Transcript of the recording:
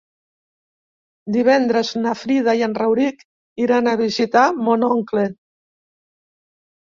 Divendres na Frida i en Rauric iran a visitar mon oncle.